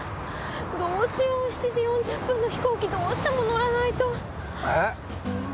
どうしよう７時４０分の飛行機どうしても乗らないと！え！？